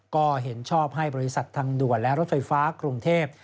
ก็เห็นชอบให้บริษัททางด่วนและรถไฟฟ้ากรุงเทพ